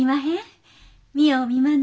見よう見まねで。